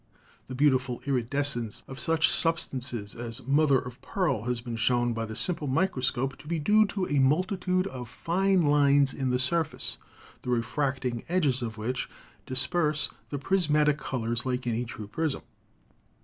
The beautiful iridescence of such substances as mother of pearl has been shown by the sim ple microscope to be due to a multitude of fine lines in the surface, the refracting edges of which disperse the pris matic colors like any true prism.